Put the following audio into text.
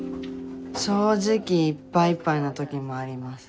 正直いっぱいいっぱいな時もあります。